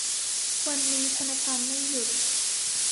วันนี้ธนาคารไม่หยุด